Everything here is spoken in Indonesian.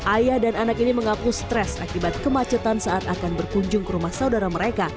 ayah dan anak ini mengaku stres akibat kemacetan saat akan berkunjung ke rumah saudara mereka